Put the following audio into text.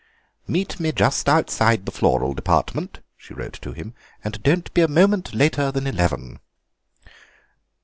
"Meet me just outside the floral department," she wrote to him, "and don't be a moment later than eleven."